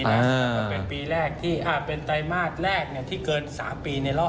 มันเป็นปีแรกที่เป็นไตรมาสแรกที่เกิน๓ปีในรอบ